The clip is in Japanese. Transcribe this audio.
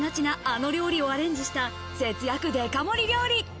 あの料理をアレンジした節約デカ盛り料理。